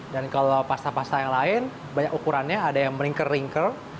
dan kalau pasta pasta yang lain banyak ukurannya ada yang ringker ringker